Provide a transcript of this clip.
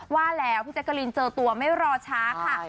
ว่าแล้วพี่แจ๊กกะลินเจอตัวไม่รอช้าค่ะ